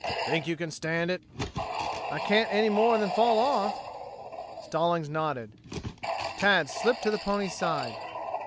"Think you can stand it?" "I can't any more than fall off." Stallings nodded. Tad slipped to the pony's side.